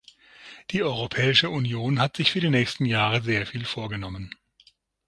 Die Europäische Union hat sich für die nächsten Jahre sehr viel vorgenommen.